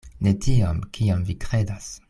Ne tiom, kiom vi kredas.